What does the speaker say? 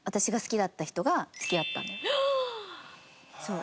そう。